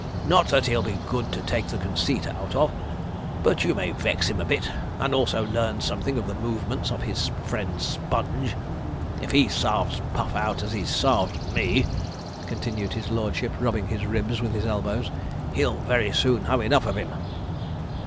Not that he'll be good to take the conceit out of, but you may vex him a bit; and also learn something of the movements of his friend Sponge. If he sarves Puff out as he's sarved me,' continued his lordship, rubbing his ribs with his elbows, 'he'll very soon have enough of him.'